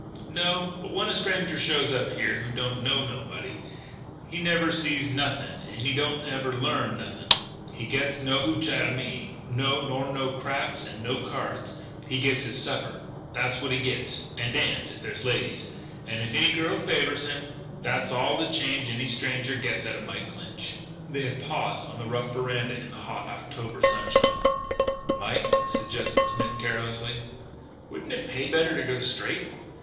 "No. But when a stranger shows up here who don't know nobody, he never sees nothing and he don't never learn nothing. He gets no hootch outa me. No, nor no craps and no cards. He gets his supper; that's what he gets ... and a dance, if there's ladies and if any girl favours him. That's all the change any stranger gets out of Mike Clinch." They had paused on the rough veranda in the hot October sunshine. "Mike," suggested Smith carelessly, "wouldn't it pay you better to go straight?"